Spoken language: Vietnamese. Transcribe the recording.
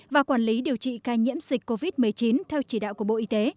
và quản lý điều trị ca nhiễm dịch covid một mươi chín theo chỉ đạo của bộ y tế